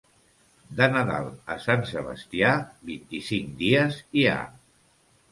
De Nadal a Sant Sebastià, vint-i-cinc dies hi ha.